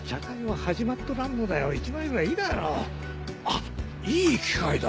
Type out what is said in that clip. あっいい機会だ。